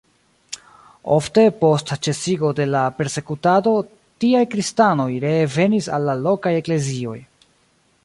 Ofte, post ĉesigo de la persekutado, tiaj kristanoj ree venis al la lokaj eklezioj.